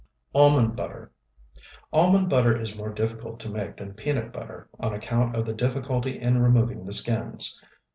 ALMOND BUTTER Almond butter is more difficult to make than peanut butter, on account of the difficulty in removing the skins.